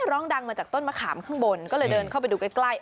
ร้องดังมาจากต้นมะขามข้างบนก็เลยเดินเข้าไปดูใกล้